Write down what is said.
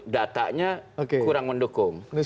datanya kurang mendukung